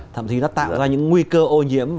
thậm chí nó tạo ra những nguy cơ ô nhiễm